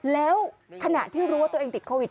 แล้วขณะที่รู้ว่าตัวเองติดโควิด